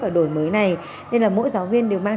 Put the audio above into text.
và đổi mới này nên là mỗi giáo viên đều mang